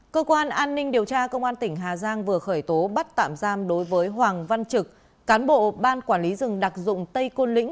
cơ quan an ninh điều tra công an tỉnh hà giang vừa khởi tố bắt tạm giam đối với hoàng văn trực cán bộ ban quản lý rừng đặc dụng tây côn lĩnh